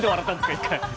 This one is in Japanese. １回。